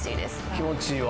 気持ちいいわ。